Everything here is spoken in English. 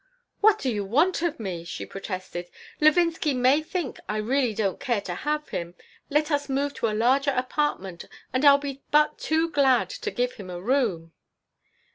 "What do you want of me?" she protested. "Levinsky may think I really don't care to have him. Let us move to a larger apartment and I'll be but too glad to give him a room."